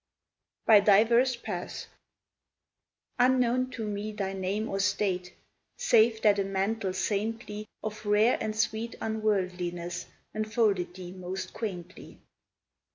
"BY DIVERS PATHS" Unknown to me thy name or state, Save that a mantle saintly Of rare and sweet unworldliness Enfolded thee most quaintly.